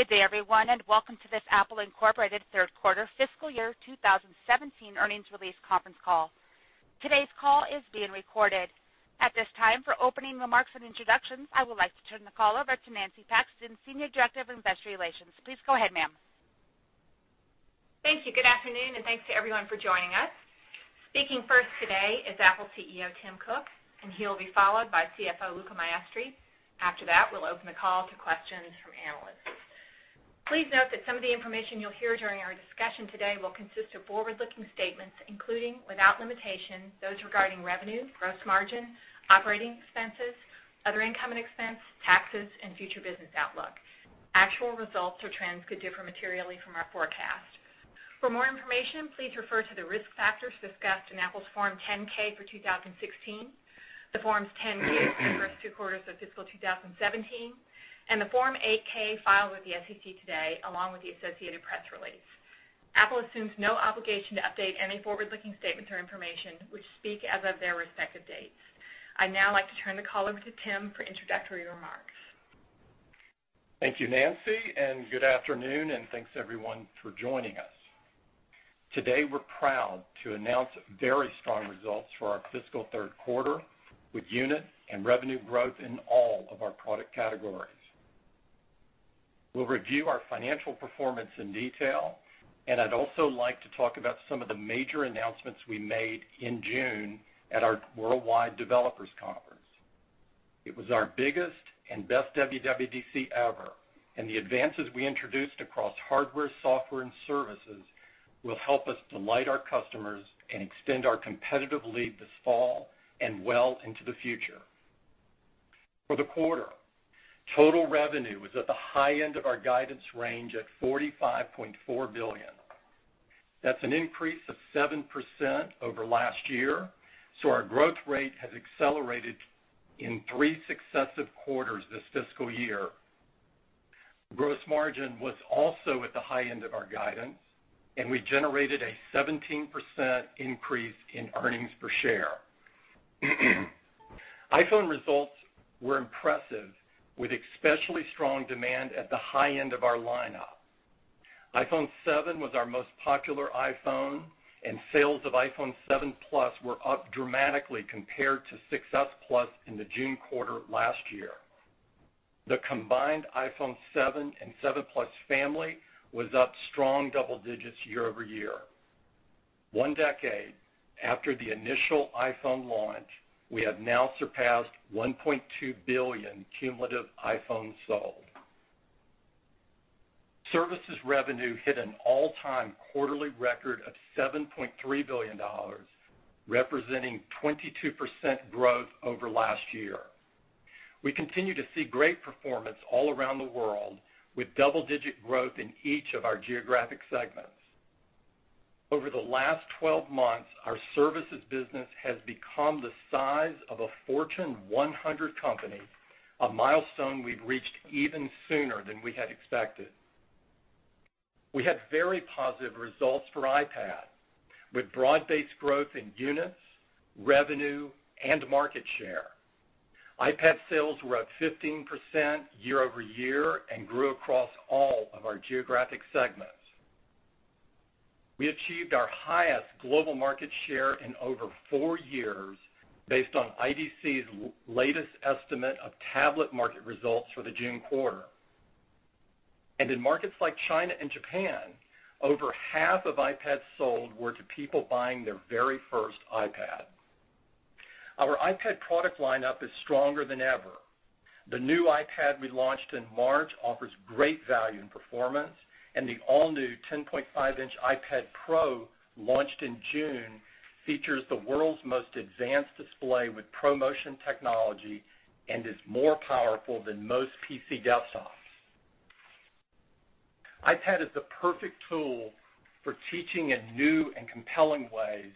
Good day, everyone, and welcome to this Apple Inc. third quarter fiscal year 2017 earnings release conference call. Today's call is being recorded. At this time, for opening remarks and introductions, I would like to turn the call over to Nancy Paxton, Senior Director of Investor Relations. Please go ahead, ma'am. Thank you. Good afternoon. Thanks to everyone for joining us. Speaking first today is Apple CEO Tim Cook. He'll be followed by CFO Luca Maestri. After that, we'll open the call to questions from analysts. Please note that some of the information you'll hear during our discussion today will consist of forward-looking statements, including, without limitation, those regarding revenue, gross margin, operating expenses, other income and expense, taxes, and future business outlook. Actual results or trends could differ materially from our forecast. For more information, please refer to the risk factors discussed in Apple's Form 10-K for 2016, the Forms 10-Q for the first two quarters of fiscal 2017, and the Form 8-K filed with the SEC today, along with the associated press release. Apple assumes no obligation to update any forward-looking statements or information, which speak as of their respective dates. I'd now like to turn the call over to Tim for introductory remarks. Thank you, Nancy. Good afternoon. Thanks, everyone, for joining us. Today, we're proud to announce very strong results for our fiscal third quarter, with unit and revenue growth in all of our product categories. We'll review our financial performance in detail. I'd also like to talk about some of the major announcements we made in June at our Worldwide Developers Conference. It was our biggest and best WWDC ever. The advances we introduced across hardware, software, and services will help us delight our customers and extend our competitive lead this fall and well into the future. For the quarter, total revenue was at the high end of our guidance range at $45.4 billion. That's an increase of 7% over last year. Our growth rate has accelerated in three successive quarters this fiscal year. Gross margin was also at the high end of our guidance, we generated a 17% increase in earnings per share. iPhone results were impressive, with especially strong demand at the high end of our lineup. iPhone 7 was our most popular iPhone, and sales of iPhone 7 Plus were up dramatically compared to 6s Plus in the June quarter last year. The combined iPhone 7 and 7 Plus family was up strong double digits year-over-year. One decade after the initial iPhone launch, we have now surpassed 1.2 billion cumulative iPhones sold. Services revenue hit an all-time quarterly record of $7.3 billion, representing 22% growth over last year. We continue to see great performance all around the world, with double-digit growth in each of our geographic segments. Over the last 12 months, our services business has become the size of a Fortune 100 company, a milestone we've reached even sooner than we had expected. We had very positive results for iPad, with broad-based growth in units, revenue, and market share. iPad sales were up 15% year-over-year and grew across all of our geographic segments. We achieved our highest global market share in over four years based on IDC's latest estimate of tablet market results for the June quarter. In markets like China and Japan, over half of iPads sold were to people buying their very first iPad. Our iPad product lineup is stronger than ever. The new iPad we launched in March offers great value and performance, and the all-new 10.5-inch iPad Pro, launched in June, features the world's most advanced display with ProMotion technology and is more powerful than most PC desktops. iPad is the perfect tool for teaching in new and compelling ways,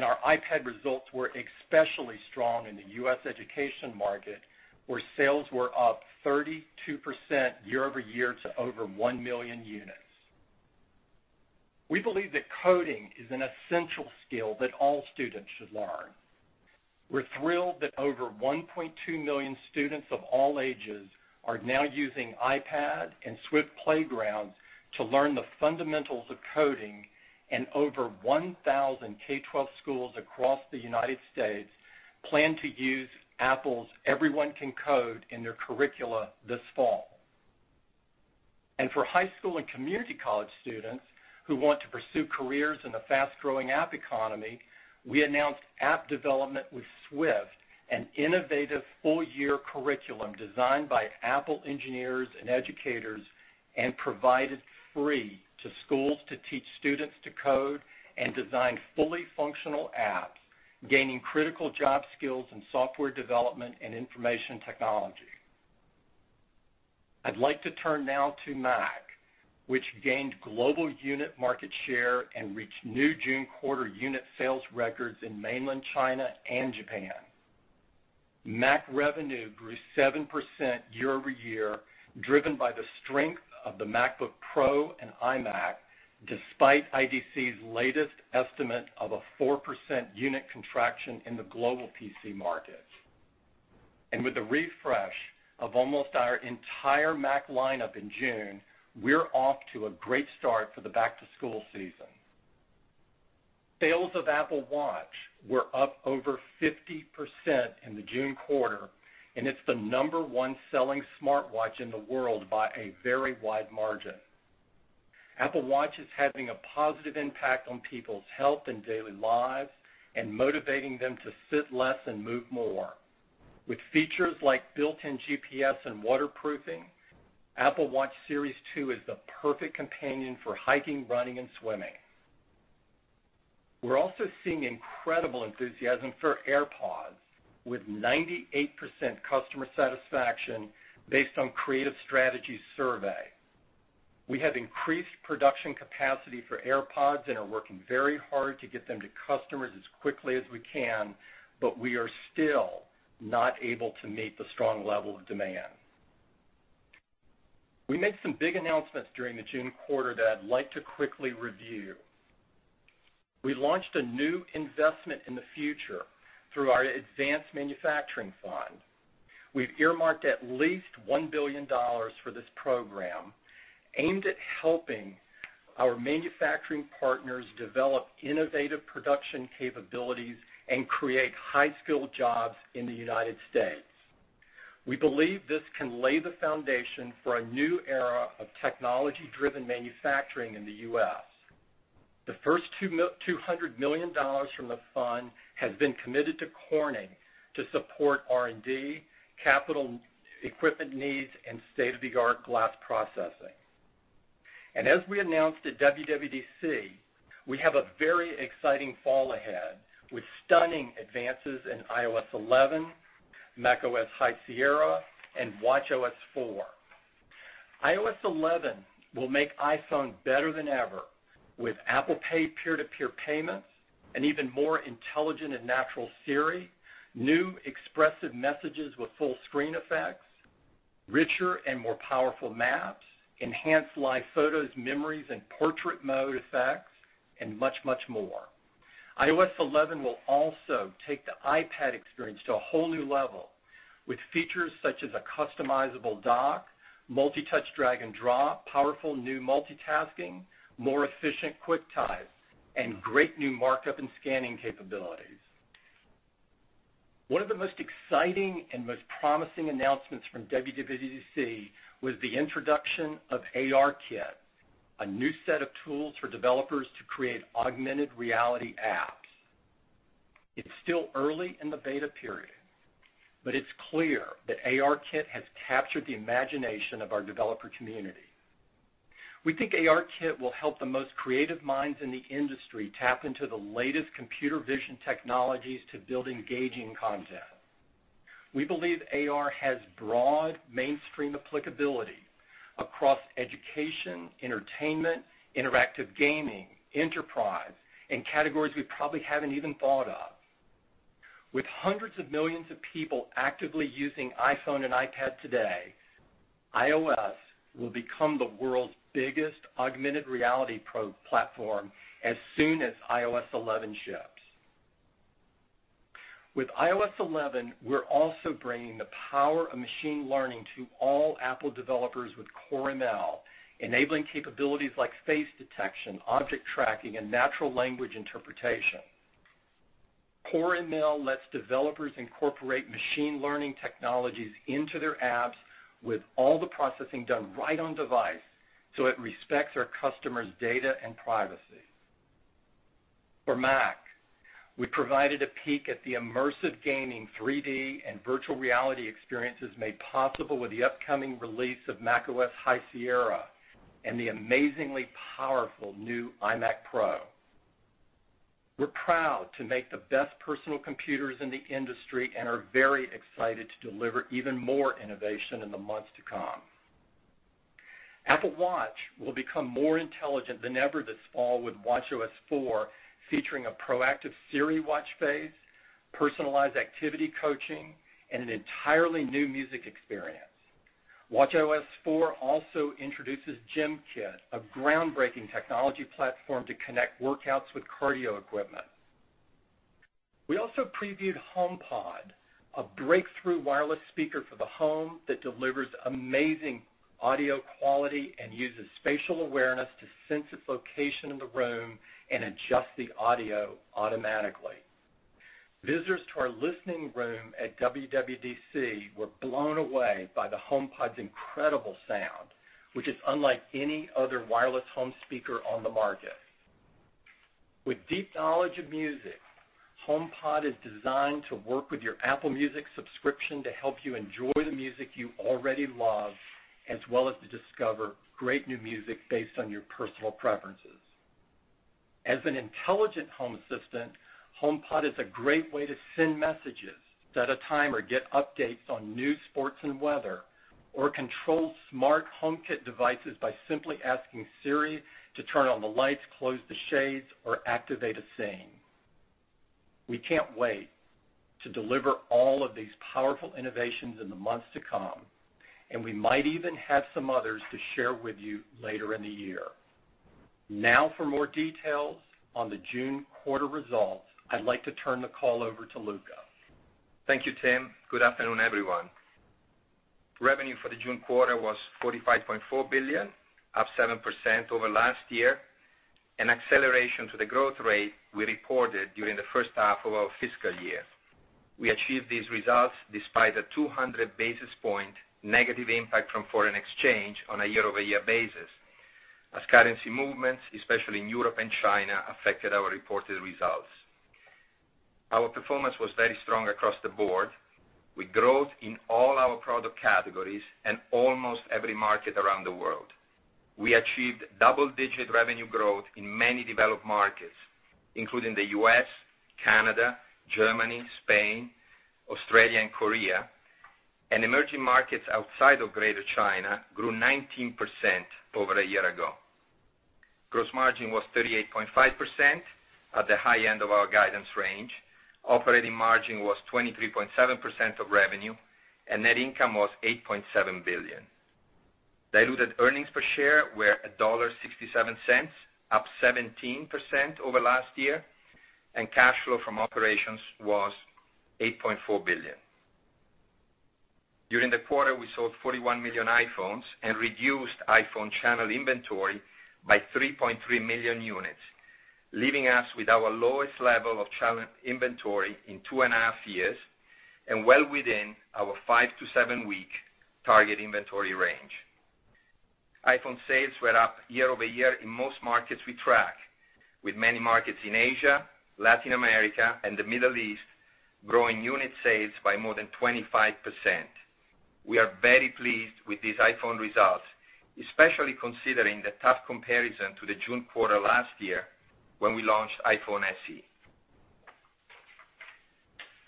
our iPad results were especially strong in the U.S. education market, where sales were up 32% year-over-year to over 1 million units. We believe that coding is an essential skill that all students should learn. We're thrilled that over 1.2 million students of all ages are now using iPad and Swift Playgrounds to learn the fundamentals of coding, and over 1,000 K12 schools across the United States plan to use Apple's Everyone Can Code in their curricula this fall. For high school and community college students who want to pursue careers in the fast-growing app economy, we announced App Development with Swift, an innovative full-year curriculum designed by Apple engineers and educators and provided free to schools to teach students to code and design fully functional apps, gaining critical job skills in software development and information technology. I'd like to turn now to Mac, which gained global unit market share and reached new June quarter unit sales records in mainland China and Japan. Mac revenue grew 7% year-over-year, driven by the strength of the MacBook Pro and iMac, despite IDC's latest estimate of a 4% unit contraction in the global PC market. With the refresh of almost our entire Mac lineup in June, we're off to a great start for the back-to-school season. Sales of Apple Watch were up over 50% in the June quarter. It's the number 1 selling smartwatch in the world by a very wide margin. Apple Watch is having a positive impact on people's health and daily lives and motivating them to sit less and move more. With features like built-in GPS and waterproofing, Apple Watch Series 2 is the perfect companion for hiking, running, and swimming. We're also seeing incredible enthusiasm for AirPods, with 98% customer satisfaction based on Creative Strategies Survey. We have increased production capacity for AirPods. Are working very hard to get them to customers as quickly as we can, but we are still not able to meet the strong level of demand. We made some big announcements during the June quarter that I'd like to quickly review. We launched a new investment in the future through our advanced manufacturing fund. We've earmarked at least $1 billion for this program, aimed at helping our manufacturing partners develop innovative production capabilities and create high-skill jobs in the U.S. We believe this can lay the foundation for a new era of technology-driven manufacturing in the U.S. The first $200 million from the fund has been committed to Corning to support R&D, capital equipment needs, and state-of-the-art glass processing. As we announced at WWDC, we have a very exciting fall ahead, with stunning advances in iOS 11, macOS High Sierra, and watchOS 4. iOS 11 will make iPhone better than ever with Apple Pay peer-to-peer payments, an even more intelligent and natural Siri, new expressive messages with full-screen effects, richer and more powerful maps, enhanced live photos, memories, and portrait mode effects, much, much more. iOS 11 will also take the iPad experience to a whole new level with features such as a customizable dock, multi-touch drag and drop, powerful new multitasking, more efficient QuickType, great new markup and scanning capabilities. One of the most exciting and most promising announcements from WWDC was the introduction of ARKit, a new set of tools for developers to create augmented reality apps. It's still early in the beta period. It's clear that ARKit has captured the imagination of our developer community. We think ARKit will help the most creative minds in the industry tap into the latest computer vision technologies to build engaging content. We believe AR has broad mainstream applicability across education, entertainment, interactive gaming, enterprise, categories we probably haven't even thought of. With hundreds of millions of people actively using iPhone and iPad today, iOS will become the world's biggest augmented reality platform as soon as iOS 11 ships. With iOS 11, we're also bringing the power of machine learning to all Apple developers with Core ML, enabling capabilities like face detection, object tracking, natural language interpretation. Core ML lets developers incorporate machine learning technologies into their apps with all the processing done right on device. It respects our customers' data and privacy. For Mac, we provided a peek at the immersive gaming 3D and virtual reality experiences made possible with the upcoming release of macOS High Sierra and the amazingly powerful new iMac Pro. We're proud to make the best personal computers in the industry. Are very excited to deliver even more innovation in the months to come. Apple Watch will become more intelligent than ever this fall with watchOS 4 featuring a proactive Siri watch face, personalized activity coaching, and an entirely new music experience. watchOS 4 also introduces GymKit, a groundbreaking technology platform to connect workouts with cardio equipment. We also previewed HomePod, a breakthrough wireless speaker for the home that delivers amazing audio quality and uses spatial awareness to sense its location in the room and adjust the audio automatically. Visitors to our listening room at WWDC were blown away by the HomePod's incredible sound, which is unlike any other wireless home speaker on the market. With deep knowledge of music, HomePod is designed to work with your Apple Music subscription to help you enjoy the music you already love, as well as to discover great new music based on your personal preferences. As an intelligent home assistant, HomePod is a great way to send messages, set a timer, get updates on news, sports, and weather, or control smart HomeKit devices by simply asking Siri to turn on the lights, close the shades, or activate a scene. We might even have some others to share with you later in the year. For more details on the June quarter results, I'd like to turn the call over to Luca. Thank you, Tim. Good afternoon, everyone. Revenue for the June quarter was $45.4 billion, up 7% over last year, an acceleration to the growth rate we reported during the first half of our fiscal year. We achieved these results despite a 200 basis point negative impact from foreign exchange on a year-over-year basis, as currency movements, especially in Europe and China, affected our reported results. Our performance was very strong across the board, with growth in all our product categories and almost every market around the world. We achieved double-digit revenue growth in many developed markets, including the U.S., Canada, Germany, Spain, Australia, and Korea, and emerging markets outside of Greater China grew 19% over a year ago. Gross margin was 38.5% at the high end of our guidance range. Operating margin was 23.7% of revenue, and net income was $8.7 billion. Diluted earnings per share were $1.67, up 17% over last year, and cash flow from operations was $8.4 billion. During the quarter, we sold 41 million iPhones and reduced iPhone channel inventory by 3.3 million units, leaving us with our lowest level of channel inventory in two and a half years and well within our 5-to-7-week target inventory range. iPhone sales were up year-over-year in most markets we track, with many markets in Asia, Latin America, and the Middle East growing unit sales by more than 25%. We are very pleased with these iPhone results, especially considering the tough comparison to the June quarter last year when we launched iPhone SE.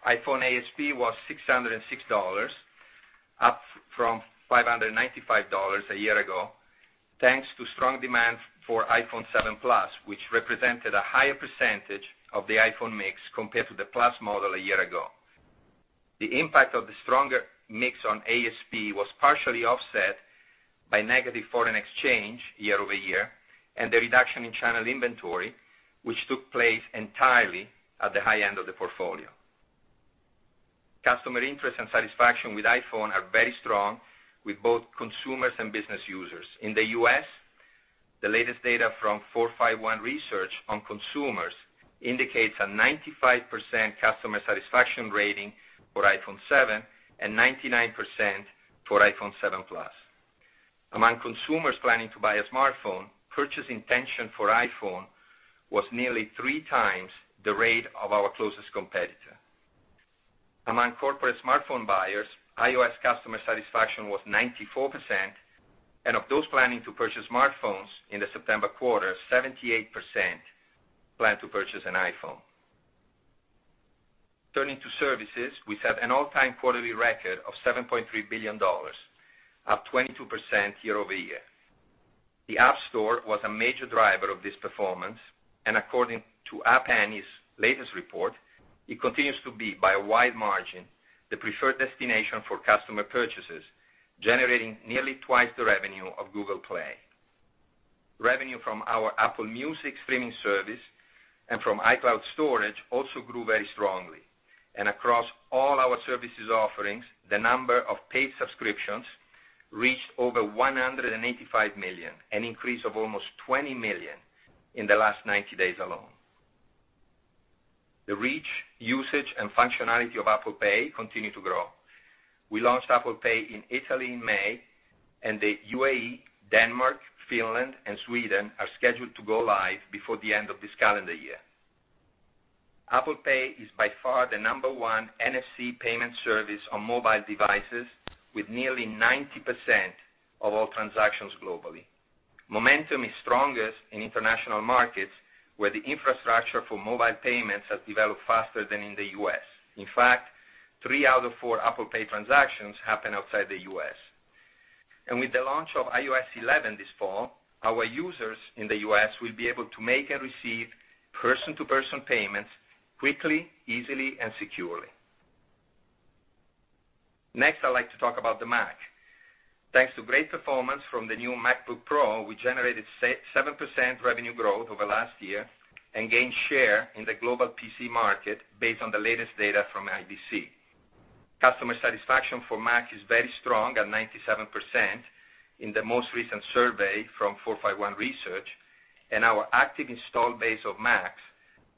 iPhone ASP was $606, up from $595 a year ago, thanks to strong demand for iPhone 7 Plus, which represented a higher percentage of the iPhone mix compared to the Plus model a year ago. The impact of the stronger mix on ASP was partially offset by negative foreign exchange year-over-year and the reduction in channel inventory, which took place entirely at the high end of the portfolio. Customer interest and satisfaction with iPhone are very strong with both consumers and business users. In the U.S., the latest data from 451 Research on consumers indicates a 95% customer satisfaction rating for iPhone 7 and 99% for iPhone 7 Plus. Among consumers planning to buy a smartphone, purchase intention for iPhone was nearly three times the rate of our closest competitor. Among corporate smartphone buyers, iOS customer satisfaction was 94%, and of those planning to purchase smartphones in the September quarter, 78% plan to purchase an iPhone. Turning to services, we set an all-time quarterly record of $7.3 billion, up 22% year-over-year. The App Store was a major driver of this performance. According to App Annie's latest report, it continues to be, by a wide margin, the preferred destination for customer purchases, generating nearly twice the revenue of Google Play. Revenue from our Apple Music streaming service and from iCloud storage also grew very strongly. Across all our services offerings, the number of paid subscriptions reached over 185 million, an increase of almost 20 million in the last 90 days alone. The reach, usage, and functionality of Apple Pay continue to grow. We launched Apple Pay in Italy in May. The UAE, Denmark, Finland, and Sweden are scheduled to go live before the end of this calendar year. Apple Pay is by far the number one NFC payment service on mobile devices, with nearly 90% of all transactions globally. Momentum is strongest in international markets, where the infrastructure for mobile payments has developed faster than in the U.S. In fact, three out of four Apple Pay transactions happen outside the U.S. With the launch of iOS 11 this fall, our users in the U.S. will be able to make and receive person-to-person payments quickly, easily, and securely. Next, I'd like to talk about the Mac. Thanks to great performance from the new MacBook Pro, we generated 7% revenue growth over last year and gained share in the global PC market based on the latest data from IDC. Customer satisfaction for Mac is very strong at 97% in the most recent survey from 451 Research, and our active install base of Macs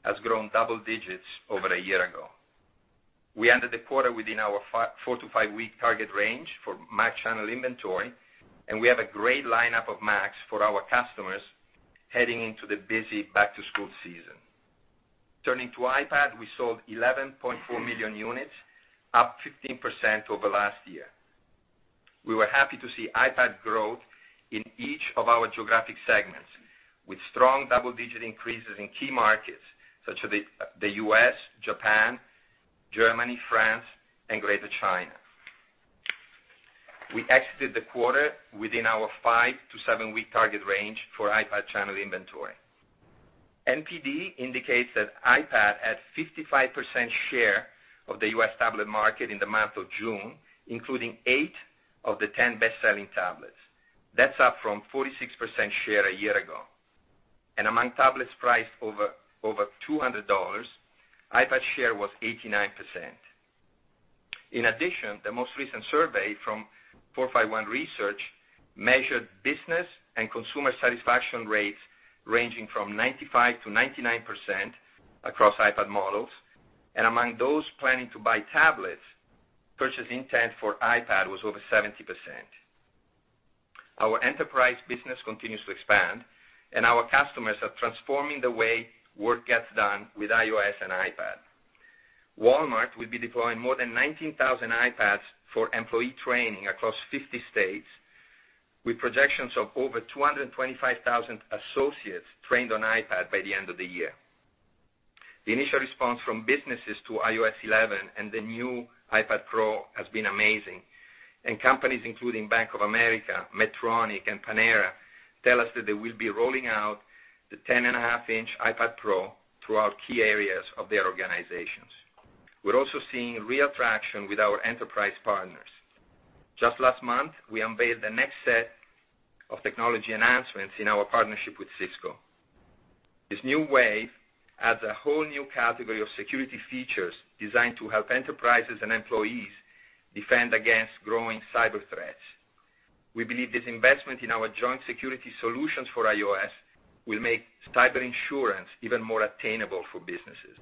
has grown double digits over a year ago. We ended the quarter within our four-to-five-week target range for Mac channel inventory. We have a great lineup of Macs for our customers heading into the busy back-to-school season. Turning to iPad, we sold 11.4 million units, up 15% over last year. We were happy to see iPad growth in each of our geographic segments, with strong double-digit increases in key markets such as the U.S., Japan, Germany, France, and Greater China. We exited the quarter within our five-to-seven-week target range for iPad channel inventory. NPD indicates that iPad had 55% share of the U.S. tablet market in the month of June, including eight of the 10 best-selling tablets. That's up from 46% share a year ago. Among tablets priced over $200, iPad share was 89%. In addition, the most recent survey from 451 Research measured business and consumer satisfaction rates ranging from 95% to 99% across iPad models, and among those planning to buy tablets, purchase intent for iPad was over 70%. Our enterprise business continues to expand, and our customers are transforming the way work gets done with iOS and iPad. Walmart will be deploying more than 19,000 iPads for employee training across 50 states, with projections of over 225,000 associates trained on iPad by the end of the year. The initial response from businesses to iOS 11 and the new iPad Pro has been amazing, and companies including Bank of America, Medtronic, and Panera tell us that they will be rolling out the 10.5-inch iPad Pro throughout key areas of their organizations. We're also seeing real traction with our enterprise partners. Just last month, we unveiled the next set of technology announcements in our partnership with Cisco. This new wave adds a whole new category of security features designed to help enterprises and employees defend against growing cyber threats. We believe this investment in our joint security solutions for iOS will make cyber insurance even more attainable for businesses.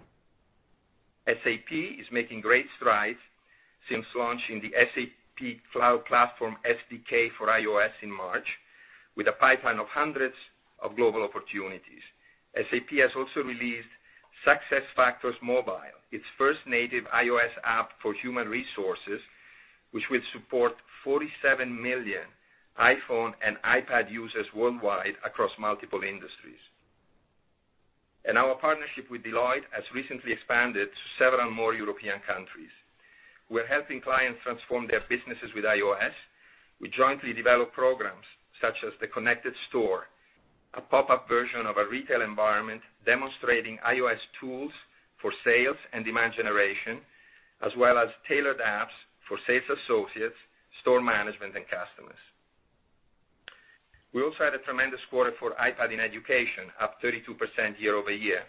SAP is making great strides since launching the SAP Cloud Platform SDK for iOS in March, with a pipeline of hundreds of global opportunities. SAP has also released SuccessFactors Mobile, its first native iOS app for human resources, which will support 47 million iPhone and iPad users worldwide across multiple industries. Our partnership with Deloitte has recently expanded to several more European countries. We're helping clients transform their businesses with iOS with jointly developed programs such as the Connected Store, a pop-up version of a retail environment demonstrating iOS tools for sales and demand generation, as well as tailored apps for sales associates, store management, and customers. We also had a tremendous quarter for iPad in education, up 32% year-over-year,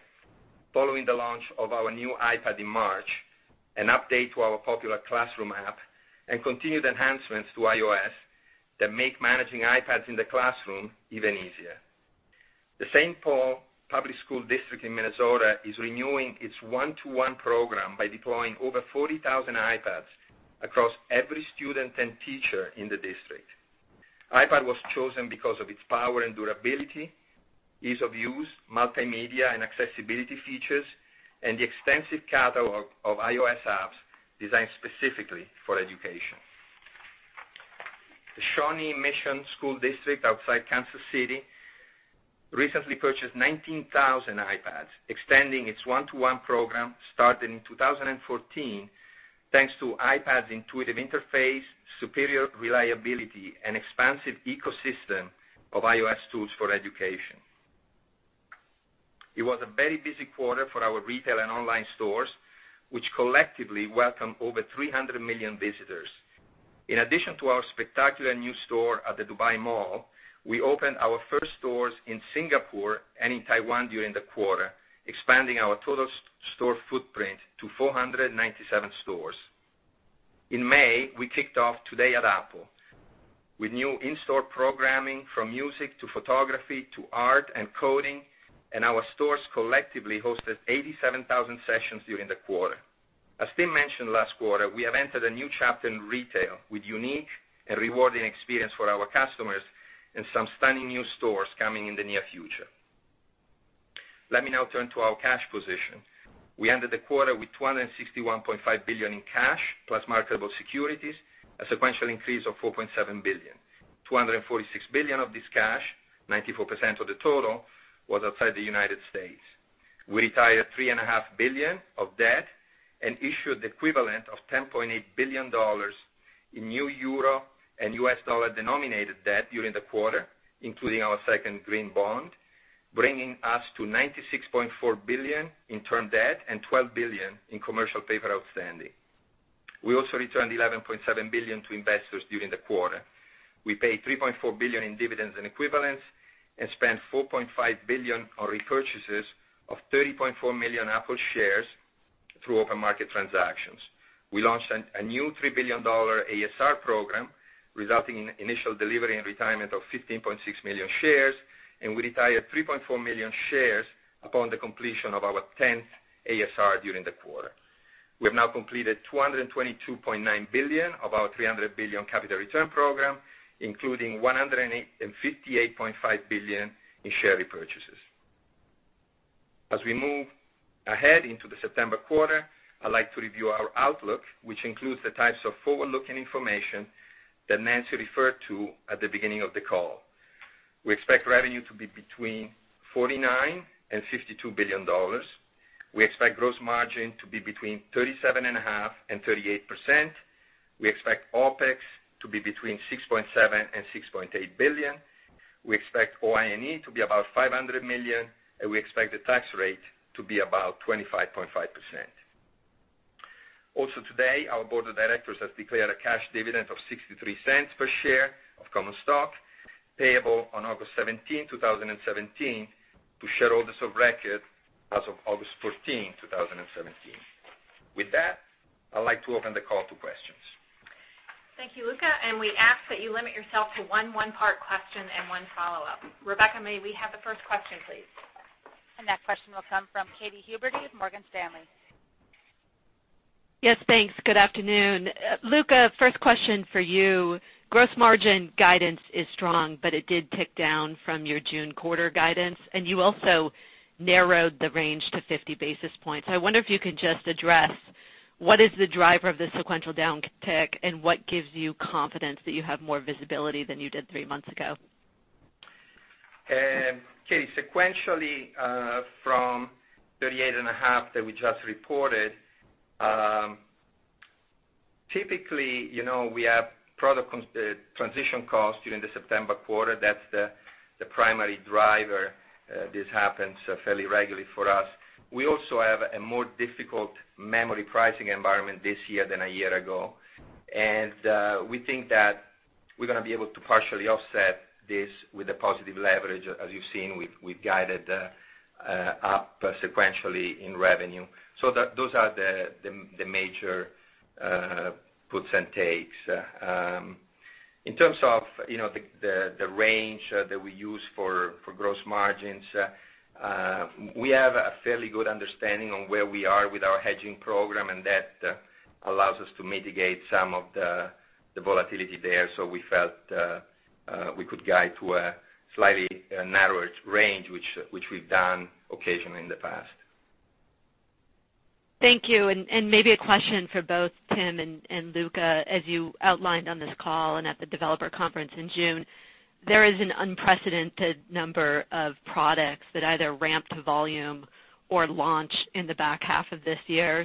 following the launch of our new iPad in March, an update to our popular classroom app, and continued enhancements to iOS that make managing iPads in the classroom even easier. The Saint Paul Public School District in Minnesota is renewing its one-to-one program by deploying over 40,000 iPads across every student and teacher in the district. iPad was chosen because of its power and durability, ease of use, multimedia and accessibility features, and the extensive catalog of iOS apps designed specifically for education. The Shawnee Mission School District outside Kansas City recently purchased 19,000 iPads, extending its one-to-one program started in 2014, thanks to iPad's intuitive interface, superior reliability, and expansive ecosystem of iOS tools for education. It was a very busy quarter for our retail and online stores, which collectively welcome over 300 million visitors. In addition to our spectacular new store at the Dubai Mall, we opened our first stores in Singapore and in Taiwan during the quarter, expanding our total store footprint to 497 stores. In May, we kicked off Today at Apple with new in-store programming from music to photography to art and coding, and our stores collectively hosted 87,000 sessions during the quarter. As Tim mentioned last quarter, we have entered a new chapter in retail with unique and rewarding experience for our customers and some stunning new stores coming in the near future. Let me now turn to our cash position. We ended the quarter with $261.5 billion in cash plus marketable securities, a sequential increase of $4.7 billion. $246 billion of this cash, 94% of the total, was outside the U.S. We retired $3.5 billion of debt and issued the equivalent of EUR 10.8 billion in new euro and US dollar-denominated debt during the quarter, including our second green bond, bringing us to $96.4 billion in term debt and $12 billion in commercial paper outstanding. We returned $11.7 billion to investors during the quarter. We paid $3.4 billion in dividends and equivalents and spent $4.5 billion on repurchases of 30.4 million Apple shares through open market transactions. We launched a new $3 billion ASR program, resulting in initial delivery and retirement of 15.6 million shares, and we retired 3.4 million shares upon the completion of our 10th ASR during the quarter. We have now completed $222.9 billion of our $300 billion capital return program, including $158.5 billion in share repurchases. As we move ahead into the September quarter, I'd like to review our outlook, which includes the types of forward-looking information that Nancy referred to at the beginning of the call. We expect revenue to be between $49 billion-$52 billion. We expect gross margin to be between 37.5%-38%. We expect OpEx to be between $6.7 billion-$6.8 billion. We expect OINE to be about $500 million. We expect the tax rate to be about 25.5%. Today, our board of directors has declared a cash dividend of $0.63 per share of common stock payable on August 17, 2017, to shareholders of record as of August 14, 2017. With that, I'd like to open the call to questions. Thank you, Luca. We ask that you limit yourself to one one-part question and one follow-up. Rebecca, may we have the first question, please? That question will come from Katy Huberty with Morgan Stanley. Yes, thanks. Good afternoon. Luca, first question for you. Gross margin guidance is strong, it did tick down from your June quarter guidance, and you also narrowed the range to 50 basis points. I wonder if you could just address what is the driver of this sequential down tick, and what gives you confidence that you have more visibility than you did three months ago? Katy, sequentially from 38.5% that we just reported, typically, we have product transition costs during the September quarter. That's the primary driver. This happens fairly regularly for us. We also have a more difficult memory pricing environment this year than a year ago. We think that we're going to be able to partially offset this with a positive leverage, as you've seen, we've guided up sequentially in revenue. Those are the major puts and takes. In terms of the range that we use for gross margins, we have a fairly good understanding on where we are with our hedging program, and that allows us to mitigate some of the volatility there. We felt we could guide to a slightly narrower range, which we've done occasionally in the past. Thank you. Maybe a question for both Tim and Luca. As you outlined on this call and at the Developer Conference in June, there is an unprecedented number of products that either ramp to volume or launch in the back half of this year.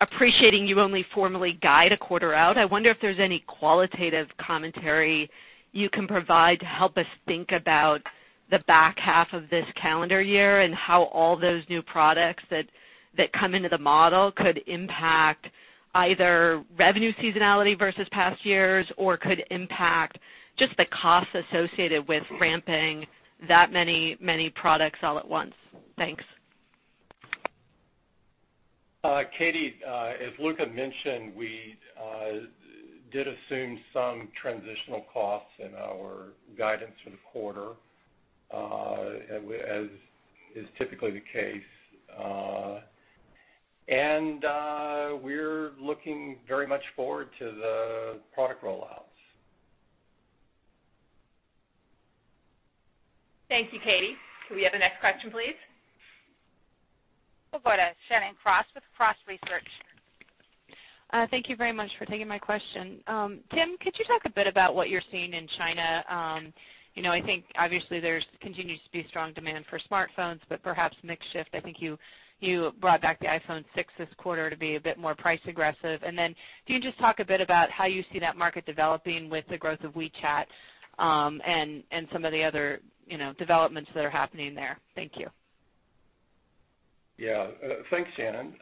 Appreciating you only formally guide a quarter out, I wonder if there's any qualitative commentary you can provide to help us think about the back half of this calendar year and how all those new products that come into the model could impact either revenue seasonality versus past years or could impact just the cost associated with ramping that many products all at once. Thanks. Katy, as Luca mentioned, we did assume some transitional costs in our guidance for the quarter as is typically the case. We're looking very much forward to the product rollouts. Thank you, Katy. Could we have the next question, please? We'll go to Shannon Cross with Cross Research. Thank you very much for taking my question. Tim, could you talk a bit about what you're seeing in China? I think obviously there continues to be strong demand for smartphones, but perhaps mix shift. I think you brought back the iPhone 6 this quarter to be a bit more price-aggressive. Then can you just talk a bit about how you see that market developing with the growth of WeChat, and some of the other developments that are happening there? Thank you. Yeah. Thanks, Shannon.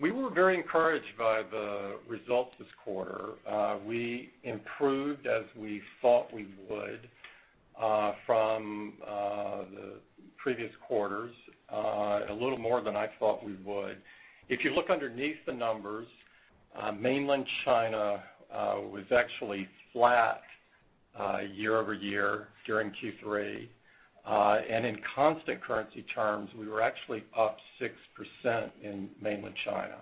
We were very encouraged by the results this quarter. We improved as we thought we would from the previous quarters, a little more than I thought we would. If you look underneath the numbers, mainland China was actually flat year-over-year during Q3. In constant currency terms, we were actually up 6% in mainland China.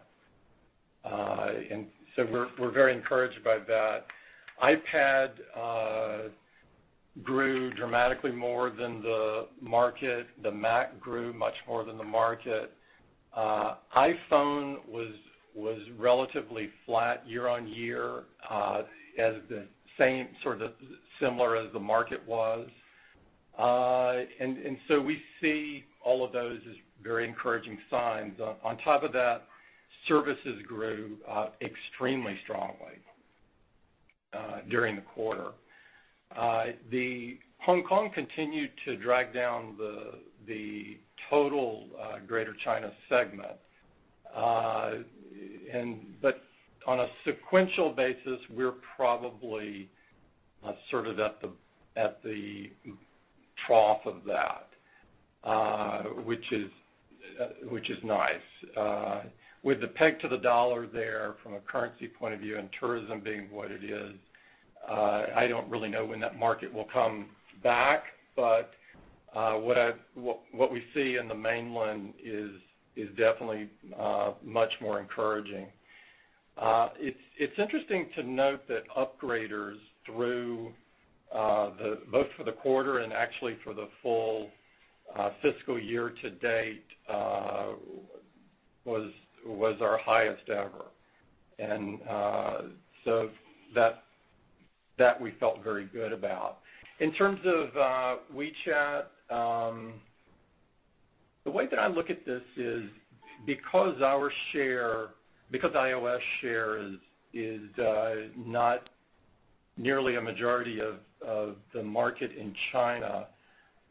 We're very encouraged by that. iPad grew dramatically more than the market. The Mac grew much more than the market. iPhone was relatively flat year-on-year, as the same sort of similar as the market was. We see all of those as very encouraging signs. On top of that, services grew extremely strongly during the quarter. Hong Kong continued to drag down the total greater China segment. On a sequential basis, we're probably sort of at the trough of that, which is nice. With the peg to the dollar there from a currency point of view and tourism being what it is, I don't really know when that market will come back, but what we see in the mainland is definitely much more encouraging. It's interesting to note that upgraders through both for the quarter and actually for the full fiscal year to date was our highest ever. That we felt very good about. In terms of WeChat, the way that I look at this is because iOS share is not nearly a majority of the market in China,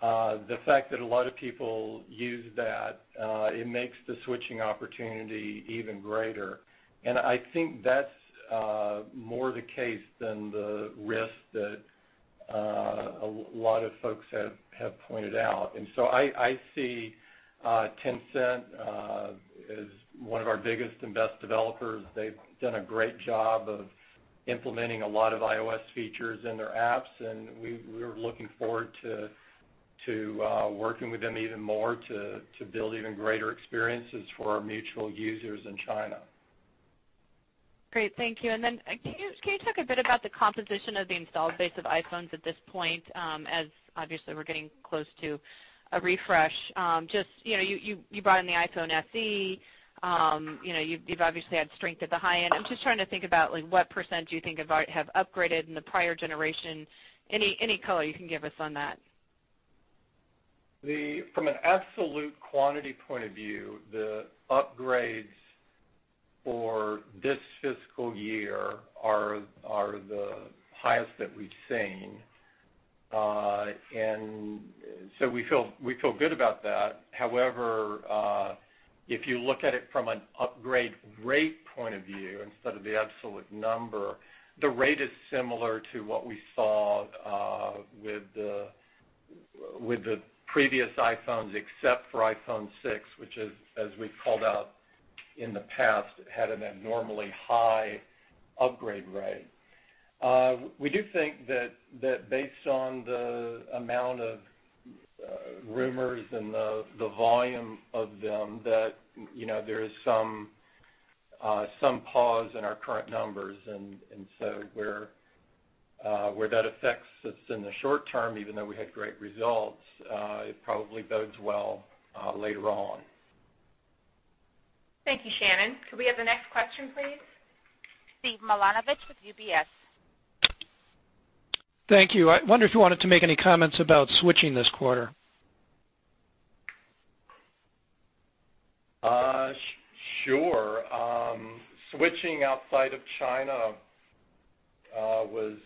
the fact that a lot of people use that, it makes the switching opportunity even greater. I think that's more the case than the risk that a lot of folks have pointed out. I see Tencent as one of our biggest and best developers. They've done a great job of implementing a lot of iOS features in their apps. We're looking forward to working with them even more to build even greater experiences for our mutual users in China. Great. Thank you. Can you talk a bit about the composition of the installed base of iPhones at this point, as obviously we're getting close to a refresh. You brought in the iPhone SE, you've obviously had strength at the high end. I'm just trying to think about what % do you think have upgraded in the prior generation. Any color you can give us on that? From an absolute quantity point of view, the upgrades for this fiscal year are the highest that we've seen. We feel good about that. However, if you look at it from an upgrade rate point of view instead of the absolute number, the rate is similar to what we saw with the previous iPhones, except for iPhone 6, which as we've called out in the past, had an abnormally high upgrade rate. We do think that based on the amount of rumors and the volume of them, that there is some pause in our current numbers. Where that affects us in the short term, even though we had great results, it probably bodes well later on. Thank you, Shannon. Could we have the next question, please? Steve Milunovich with UBS. Thank you. I wonder if you wanted to make any comments about switching this quarter. Sure. Switching outside of China was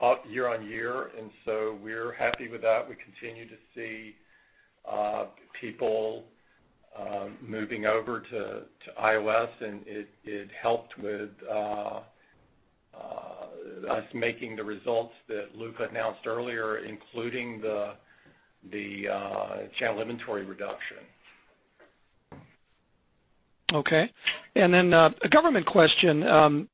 up year-over-year, and so we're happy with that. We continue to see people moving over to iOS, and it helped with us making the results that Luca announced earlier, including the channel inventory reduction. A government question.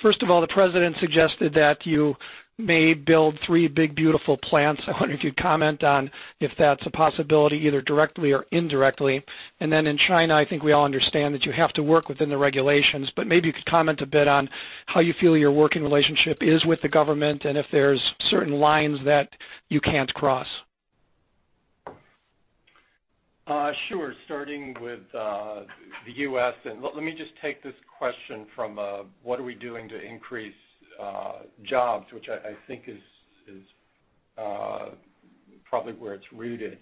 First of all, the president suggested that you may build three big, beautiful plants. I wonder if you'd comment on if that's a possibility, either directly or indirectly. In China, I think we all understand that you have to work within the regulations, but maybe you could comment a bit on how you feel your working relationship is with the government and if there's certain lines that you can't cross. Sure. Starting with the U.S., let me just take this question from what are we doing to increase jobs, which I think is probably where it's rooted.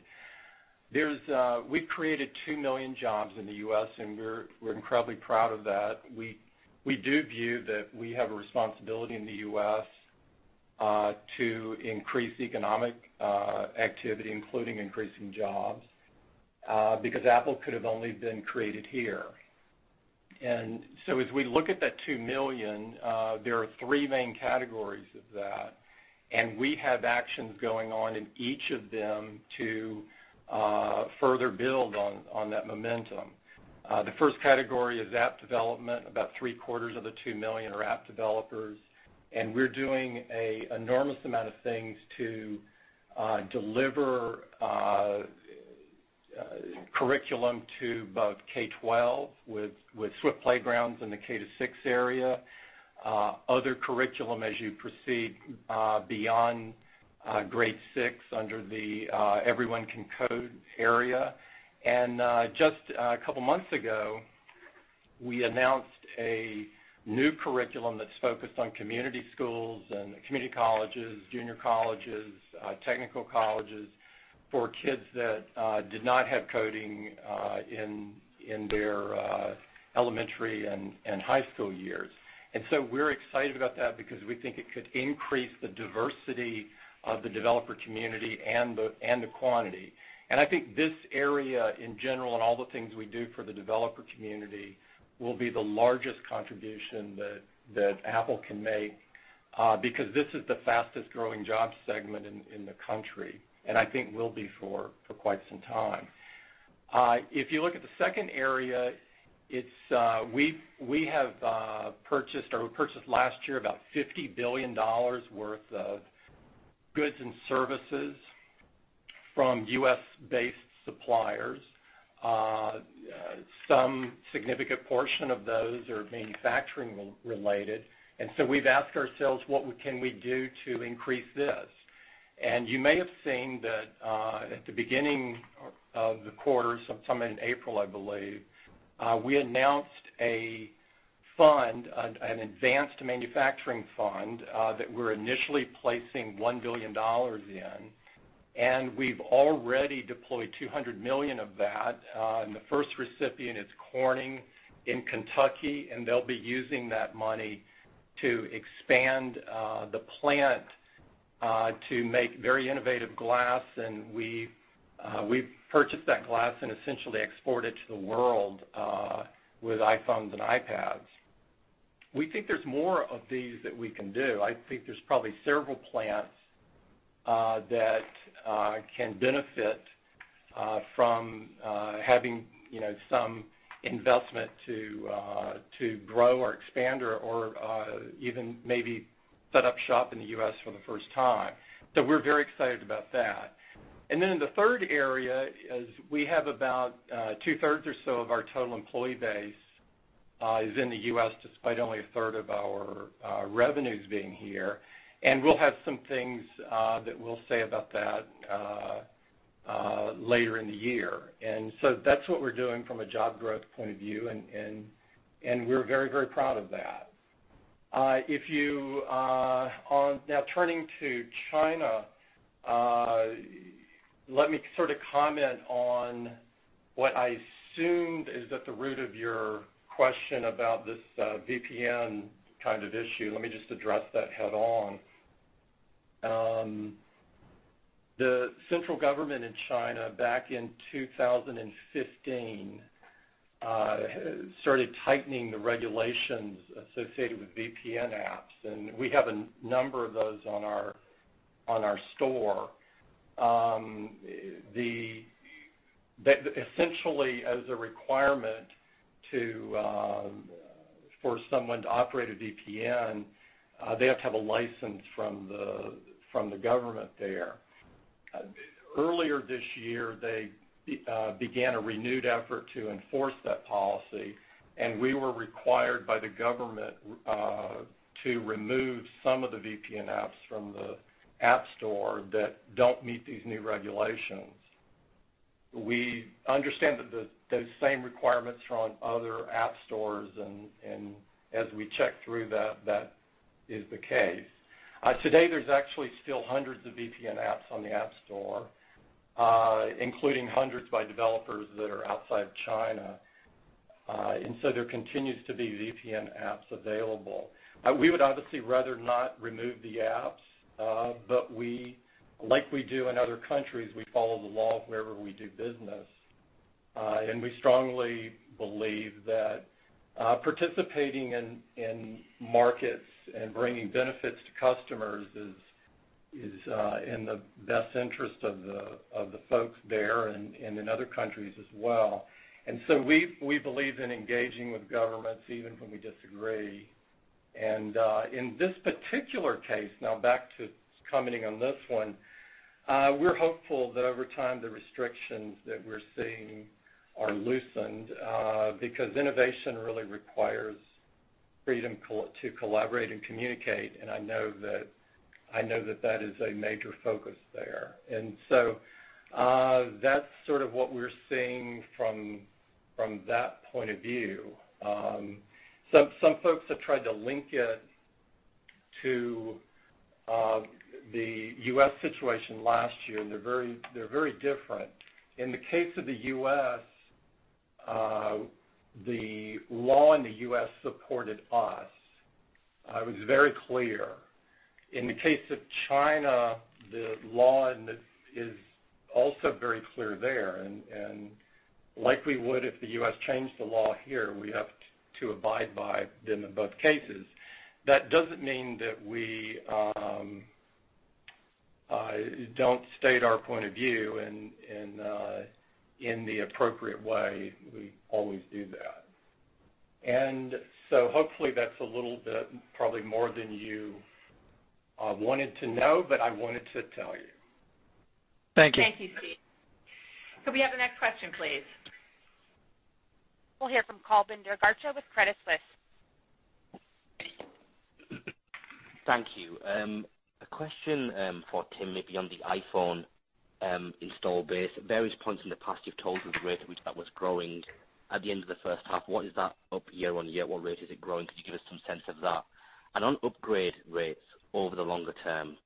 We've created 2 million jobs in the U.S., and we're incredibly proud of that. We do view that we have a responsibility in the U.S. to increase economic activity, including increasing jobs, because Apple could have only been created here. As we look at that 2 million, there are three main categories of that, and we have actions going on in each of them to further build on that momentum. The first category is app development. About three-quarters of the 2 million are app developers, we're doing an enormous amount of things to deliver a curriculum to both K12 with Swift Playgrounds in the K-6 area, other curriculum as you proceed beyond grade 6 under the Everyone Can Code area. Just a couple of months ago, we announced a new curriculum that's focused on community schools and community colleges, junior colleges, technical colleges for kids that did not have coding in their elementary and high school years. We're excited about that because we think it could increase the diversity of the developer community and the quantity. I think this area in general, and all the things we do for the developer community, will be the largest contribution that Apple can make, because this is the fastest-growing job segment in the country, and I think will be for quite some time. If you look at the second area, we purchased last year about $50 billion worth of goods and services from U.S.-based suppliers. Some significant portion of those are manufacturing-related, we've asked ourselves, what can we do to increase this? You may have seen that at the beginning of the quarter, sometime in April, I believe, we announced a fund, an advanced manufacturing fund that we're initially placing $1 billion in, and we've already deployed $200 million of that. The first recipient is Corning in Kentucky, and they'll be using that money to expand the plant to make very innovative glass, and we've purchased that glass and essentially export it to the world with iPhones and iPads. We think there's more of these that we can do. I think there's probably several plants that can benefit from having some investment to grow or expand or even maybe set up shop in the U.S. for the first time. We're very excited about that. In the third area is we have about two-thirds or so of our total employee base is in the U.S., despite only a third of our revenues being here. We'll have some things that we'll say about that later in the year. That's what we're doing from a job growth point of view, and we're very proud of that. Now turning to China, let me sort of comment on what I assumed is at the root of your question about this VPN kind of issue. Let me just address that head-on. The central government in China, back in 2015, started tightening the regulations associated with VPN apps, and we have a number of those on our store. Essentially, as a requirement for someone to operate a VPN, they have to have a license from the government there. Earlier this year, they began a renewed effort to enforce that policy, and we were required by the government to remove some of the VPN apps from the App Store that don't meet these new regulations. We understand that those same requirements are on other app stores, and as we check through that is the case. Today, there's actually still hundreds of VPN apps on the App Store, including hundreds by developers that are outside China. There continues to be VPN apps available. We would obviously rather not remove the apps, but like we do in other countries, we follow the laws wherever we do business. We strongly believe that participating in markets and bringing benefits to customers is in the best interest of the folks there and in other countries as well. We believe in engaging with governments even when we disagree. In this particular case, now back to commenting on this one, we're hopeful that over time, the restrictions that we're seeing are loosened because innovation really requires freedom to collaborate and communicate, and I know that that is a major focus there. That's sort of what we're seeing from that point of view. Some folks have tried to link it to the U.S. situation last year, and they're very different. In the case of the U.S., the law in the U.S. supported us. It was very clear. In the case of China, the law is also very clear there, and like we would if the U.S. changed the law here, we have to abide by them in both cases. That doesn't mean that we don't state our point of view in the appropriate way. We always do that. Hopefully that's a little bit, probably more than you wanted to know, but I wanted to tell you. Thank you. Thank you, Steve. Could we have the next question, please? We'll hear from Kulbinder Garcha with Credit Suisse. Thank you. A question for Tim, maybe on the iPhone install base. At various points in the past, you've told us the rate at which that was growing. At the end of the first half, what is that up year-on-year? What rate is it growing? Could you give us some sense of that? On upgrade rates over the longer term,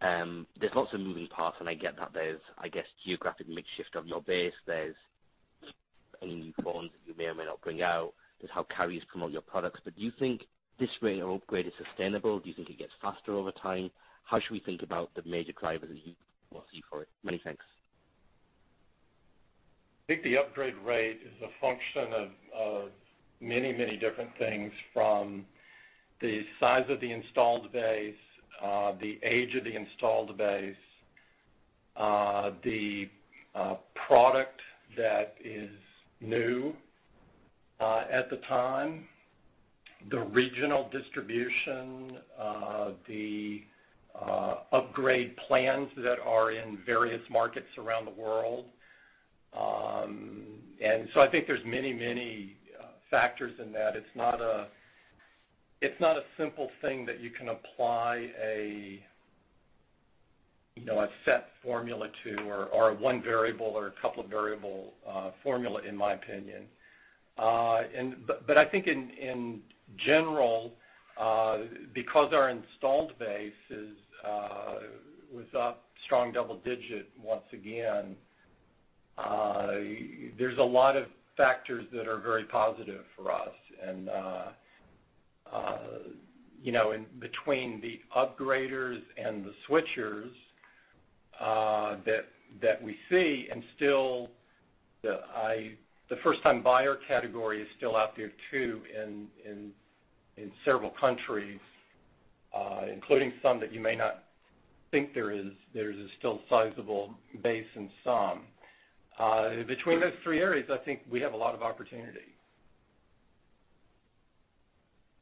there's lots of moving parts, and I get that there's geographic mix shift of your base, there's any new phones that you may or may not bring out. There's how carriers promote your products, but do you think this rate of upgrade is sustainable? Do you think it gets faster over time? How should we think about the major drivers that you foresee for it? Many thanks. I think the upgrade rate is a function of many different things, from the size of the installed base, the age of the installed base, the product that is new at the time, the regional distribution, the upgrade plans that are in various markets around the world. I think there's many factors in that. It's not a simple thing that you can apply a set formula to, or one variable or a couple of variable formula, in my opinion. I think in general, because our installed base was up strong double digit, once again, there's a lot of factors that are very positive for us. Between the upgraders and the switchers that we see, and the first-time buyer category is still out there too, in several countries, including some that you may not think there is, there's a still sizable base in some. Between those three areas, I think we have a lot of opportunity.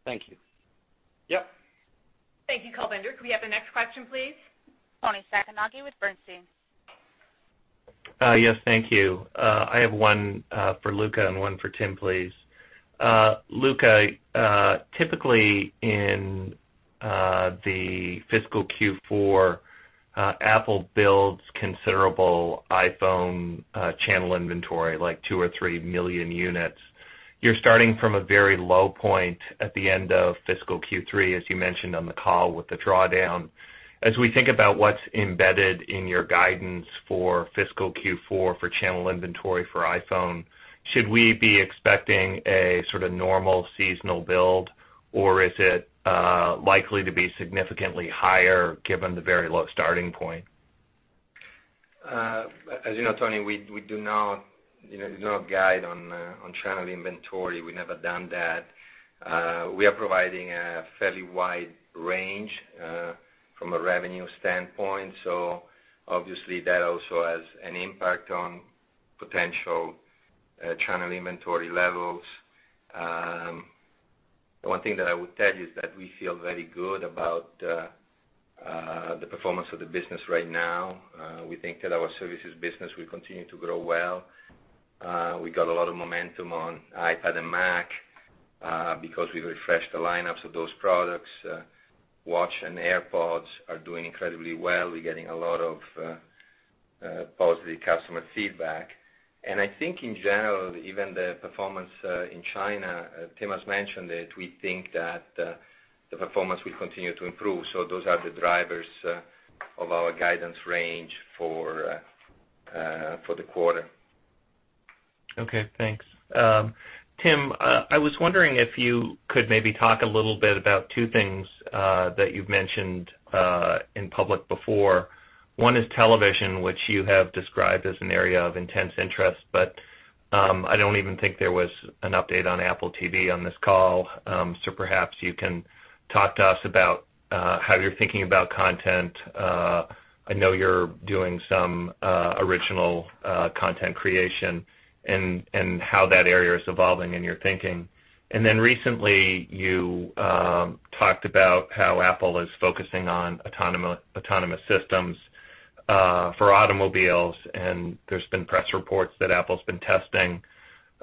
Thank you. Yep. Thank you, Kulbinder. Could we have the next question, please? Toni Sacconaghi with Bernstein. Yes, thank you. I have one for Luca and one for Tim, please. Luca, typically in the fiscal Q4, Apple builds considerable iPhone channel inventory, like two or three million units. You're starting from a very low point at the end of fiscal Q3, as you mentioned on the call, with the drawdown. As we think about what's embedded in your guidance for fiscal Q4 for channel inventory for iPhone, should we be expecting a sort of normal seasonal build, or is it likely to be significantly higher given the very low starting point? As you know, Toni, we do not guide on channel inventory. We've never done that. Obviously that also has an impact on potential channel inventory levels. The one thing that I would tell you is that we feel very good about the performance of the business right now. We think that our services business will continue to grow well. We got a lot of momentum on iPad and Mac because we refreshed the lineups of those products. Apple Watch and AirPods are doing incredibly well. We're getting a lot of positive customer feedback. I think in general, even the performance in China, Tim has mentioned it, we think that the performance will continue to improve. Those are the drivers of our guidance range for the quarter. Okay, thanks. Tim, I was wondering if you could maybe talk a little bit about two things that you've mentioned in public before. One is television, which you have described as an area of intense interest, but I don't even think there was an update on Apple TV on this call. Perhaps you can talk to us about how you're thinking about content. I know you're doing some original content creation and how that area is evolving in your thinking. Then recently you talked about how Apple is focusing on autonomous systems for automobiles, and there's been press reports that Apple's been testing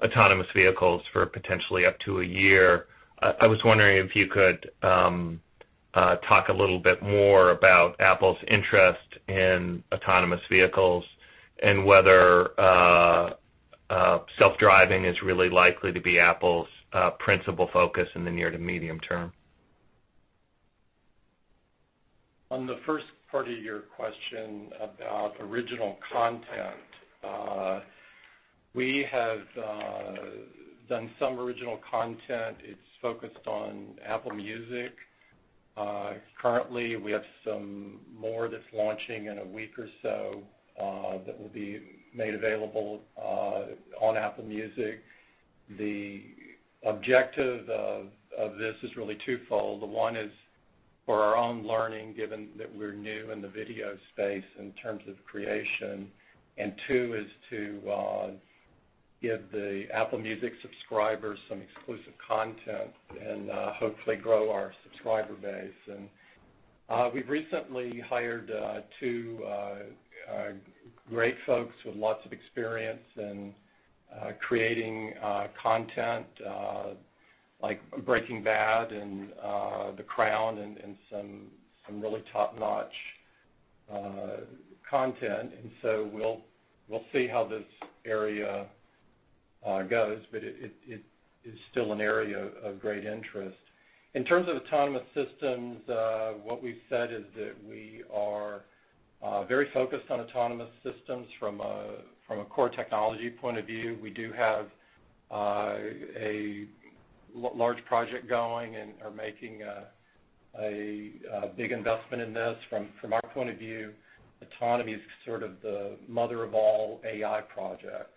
autonomous vehicles for potentially up to a year. I was wondering if you could talk a little bit more about Apple's interest in autonomous vehicles and whether self-driving is really likely to be Apple's principal focus in the near to medium term. On the first part of your question about original content, we have done some original content. It's focused on Apple Music. Currently, we have some more that's launching in a week or so that will be made available on Apple Music. The objective of this is really twofold. One is for our own learning, given that we're new in the video space in terms of creation. Two is to give the Apple Music subscribers some exclusive content and hopefully grow our subscriber base. We've recently hired two great folks with lots of experience in creating content, like "Breaking Bad" and "The Crown" and some really top-notch content. We'll see how this area goes, but it is still an area of great interest. In terms of autonomous systems, what we've said is that we are very focused on autonomous systems from a core technology point of view. We do have a large project going and are making a big investment in this. From our point of view, autonomy is sort of the mother of all AI projects.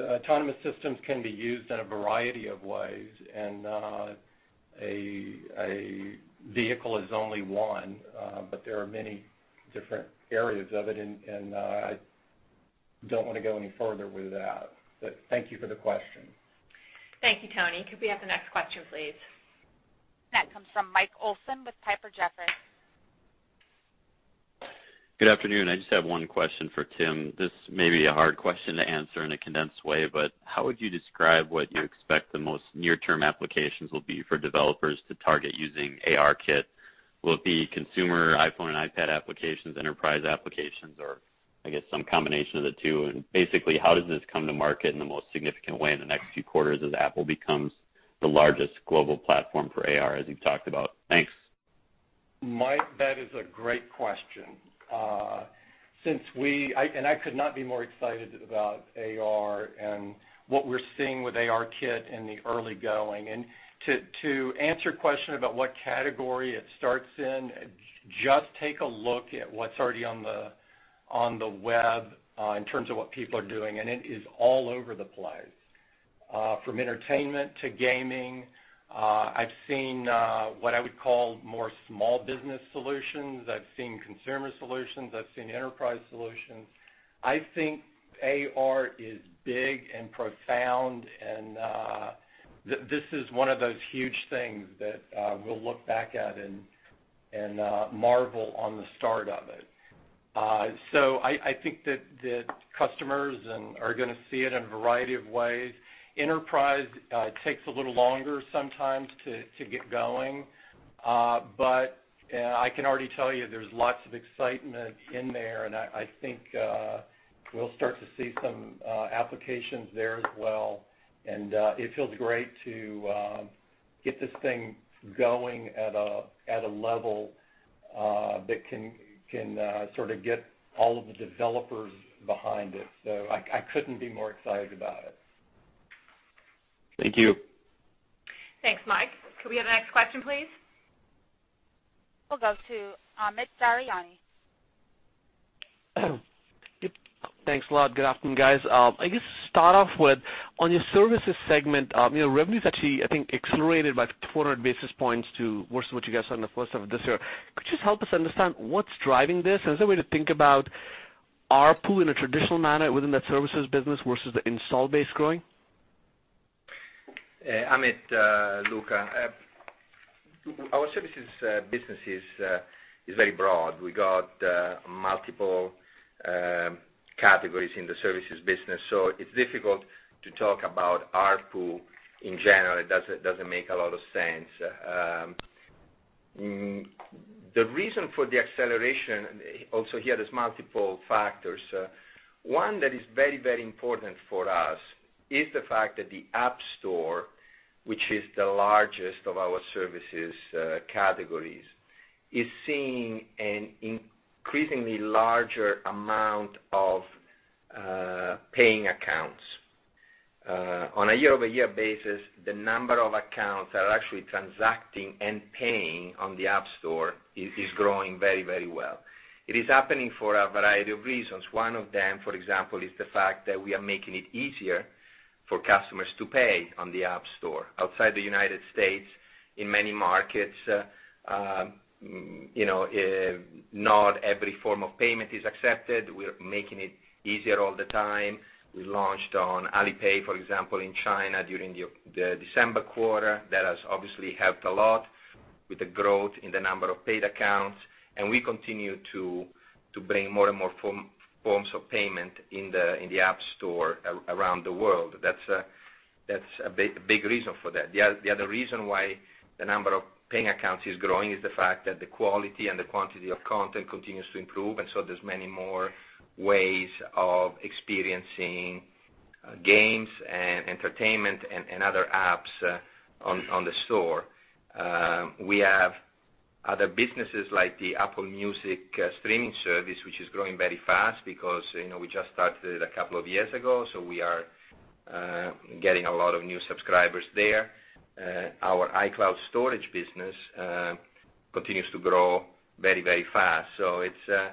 Autonomous systems can be used in a variety of ways, and a vehicle is only one but there are many different areas of it, and I don't want to go any further with that. Thank you for the question. Thank you. Toni. Could we have the next question, please? Next comes from Michael Olson with Piper Jaffray. Good afternoon. I just have one question for Tim. This may be a hard question to answer in a condensed way, but how would you describe what you expect the most near-term applications will be for developers to target using ARKit? Will it be consumer iPhone and iPad applications, enterprise applications, or some combination of the two? Basically, how does this come to market in the most significant way in the next few quarters as Apple becomes the largest global platform for AR, as you've talked about? Thanks. Mike, that is a great question. I could not be more excited about AR and what we're seeing with ARKit in the early going. To answer your question about what category it starts in, just take a look at what's already on the web in terms of what people are doing, and it is all over the place. From entertainment to gaming, I've seen what I would call more small business solutions. I've seen consumer solutions. I've seen enterprise solutions. I think AR is big and profound, and this is one of those huge things that we'll look back at and marvel on the start of it. I think that customers are going to see it in a variety of ways. Enterprise takes a little longer sometimes to get going, I can already tell you there's lots of excitement in there, I think we'll start to see some applications there as well. It feels great to get this thing going at a level that can sort of get all of the developers behind it. I couldn't be more excited about it. Thank you. Thanks, Mike. Could we have the next question, please? We'll go to Amit Daryanani. Yep. Thanks a lot. Good afternoon, guys. I guess to start off with, on your services segment, your revenue's actually, I think, accelerated by 400 basis points to versus what you guys said in the first half of this year. Could you just help us understand what's driving this? Is there a way to think about ARPU in a traditional manner within that services business versus the install base growing? Amit, Luca. Our services business is very broad. We got multiple categories in the services business, so it's difficult to talk about ARPU in general. It doesn't make a lot of sense. The reason for the acceleration, also here, there's multiple factors. One that is very important for us is the fact that the App Store, which is the largest of our services categories, is seeing an increasingly larger amount of paying accounts. On a year-over-year basis, the number of accounts that are actually transacting and paying on the App Store is growing very well. It is happening for a variety of reasons. One of them, for example, is the fact that we are making it easier for customers to pay on the App Store. Outside the United States, in many markets, not every form of payment is accepted. We are making it easier all the time. We launched on Alipay, for example, in China during the December quarter. That has obviously helped a lot with the growth in the number of paid accounts, and we continue to bring more and more forms of payment in the App Store around the world. That's a big reason for that. The other reason why the number of paying accounts is growing is the fact that the quality and the quantity of content continues to improve, and there's many more ways of experiencing games and entertainment and other apps on the Store. We have other businesses like the Apple Music streaming service, which is growing very fast because we just started it a couple of years ago, so we are getting a lot of new subscribers there. Our iCloud storage business continues to grow very fast. It's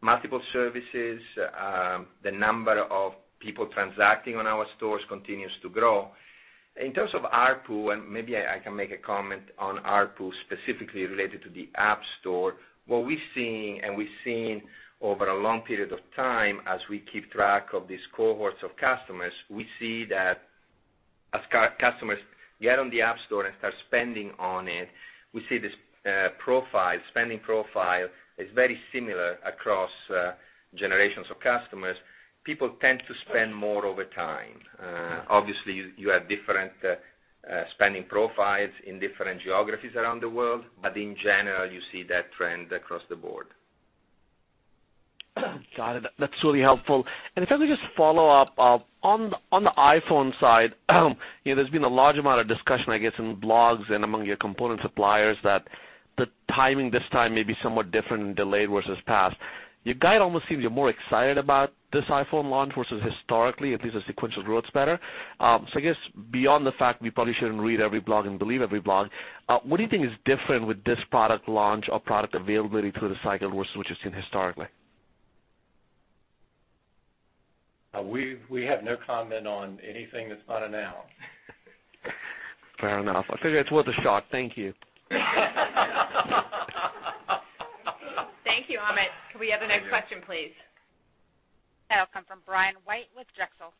multiple services. The number of people transacting on our Stores continues to grow. In terms of ARPU, maybe I can make a comment on ARPU, specifically related to the App Store, what we've seen, we've seen over a long period of time as we keep track of these cohorts of customers, we see that as customers get on the App Store and start spending on it, we see this spending profile is very similar across generations of customers. People tend to spend more over time. Obviously, you have different spending profiles in different geographies around the world, in general, you see that trend across the board. Got it. That's really helpful. If I could just follow up, on the iPhone side, there's been a large amount of discussion, I guess, in blogs and among your component suppliers that the timing this time may be somewhat different and delayed versus past. Your guide almost seems you're more excited about this iPhone launch versus historically, at least the sequential growth's better. I guess beyond the fact we probably shouldn't read every blog and believe every blog, what do you think is different with this product launch or product availability through the cycle versus what you've seen historically? We have no comment on anything that's unannounced. Fair enough. I figure it's worth a shot. Thank you. Thank you, Amit. Could we have the next question, please? That'll come from Brian White with Drexel.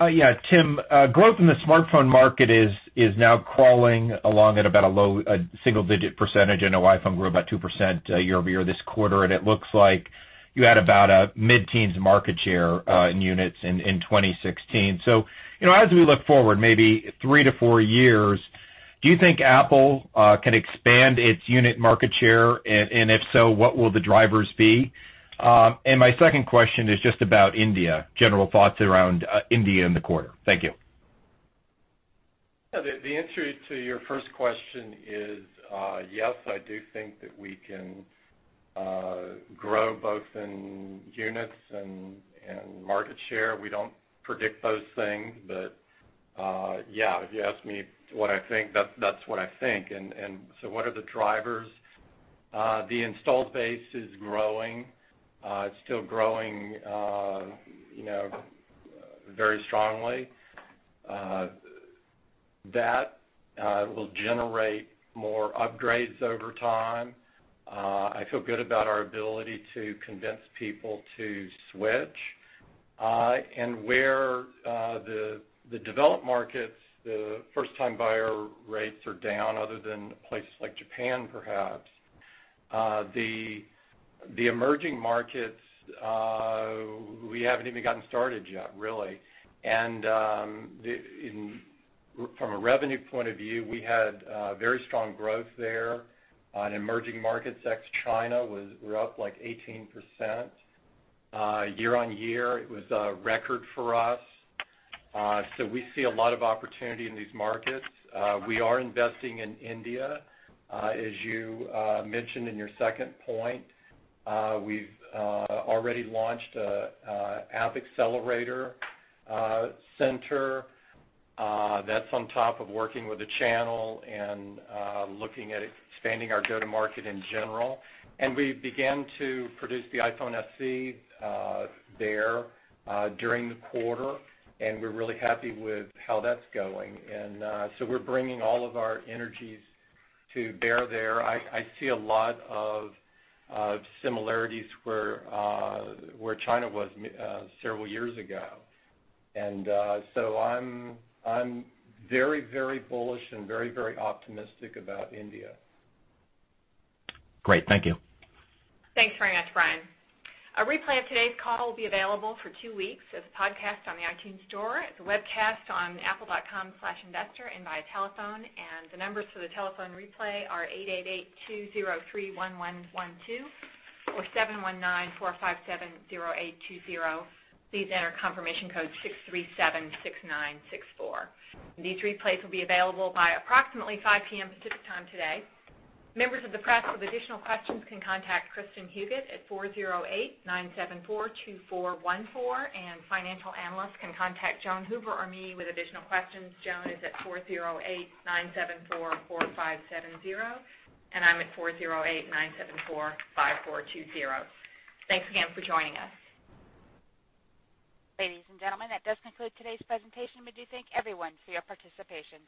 Yeah, Tim, growth in the smartphone market is now crawling along at about a low single-digit %. I know iPhone grew about 2% year-over-year this quarter, and it looks like you had about a mid-teens market share in units in 2016. As we look forward maybe three to four years, do you think Apple can expand its unit market share? If so, what will the drivers be? My second question is just about India, general thoughts around India and the quarter. Thank you. The answer to your first question is yes, I do think that we can grow both in units and market share. We don't predict those things, but yeah, if you ask me what I think, that's what I think. What are the drivers? The install base is growing. It's still growing very strongly. That will generate more upgrades over time. I feel good about our ability to convince people to switch. Where the developed markets, the first-time buyer rates are down, other than places like Japan, perhaps, the emerging markets, we haven't even gotten started yet, really. From a revenue point of view, we had very strong growth there on emerging markets, ex China, we're up like 18% year-on-year. It was a record for us. We see a lot of opportunity in these markets. We are investing in India, as you mentioned in your second point. We've already launched an App Accelerator center. That's on top of working with the channel and looking at expanding our go-to-market in general. We began to produce the iPhone SE there during the quarter, and we're really happy with how that's going. We're bringing all of our energies to bear there. I see a lot of similarities where China was several years ago. I'm very bullish and very optimistic about India. Great. Thank you. Thanks very much, Brian. A replay of today's call will be available for two weeks as a podcast on the iTunes Store, as a webcast on apple.com/investor, and via telephone. The numbers for the telephone replay are 888-203-1112 or 719-457-0820. Please enter confirmation code 6376964. These replays will be available by approximately 5:00 P.M. Pacific Time today. Members of the press with additional questions can contact Kristin Huguet at 408-974-2414, and financial analysts can contact Joan Hoover or me with additional questions. Joan is at 408-974-4570, and I'm at 408-974-5420. Thanks again for joining us. Ladies and gentlemen, that does conclude today's presentation. We do thank everyone for your participation.